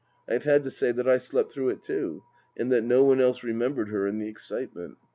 I have had to say that I slept through it, too, and that no one else remembered her in the excitement.